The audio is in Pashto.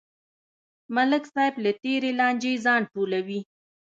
ملک صاحب له تېرې لانجې ځان ټولوي.